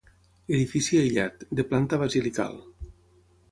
Edifici aïllat, de planta basilical.